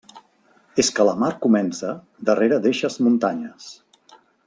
És que la mar comença darrere d'eixes muntanyes.